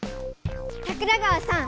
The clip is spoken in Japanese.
桜川さん